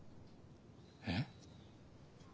えっ？